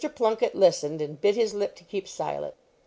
Plunket listened, and bit his lip to keep silent.